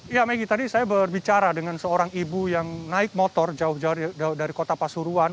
ya maggie tadi saya berbicara dengan seorang ibu yang naik motor jauh jauh dari kota pasuruan